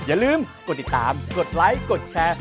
อย่าลืมกดติดตามกดไลค์กดแชร์